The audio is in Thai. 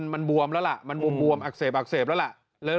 มันบวมแล้วมันบวมอักเสบแล้วแล้ว